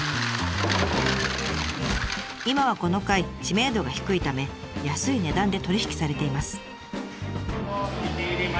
今はこの貝知名度が低いため安い値段で取り引きされています。